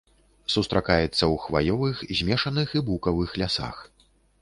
Сустракаецца ў хваёвых, змешаных і букавых лясах.